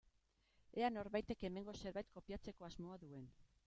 Ea norbaitek hemengo zerbait kopiatzeko asmoa duen.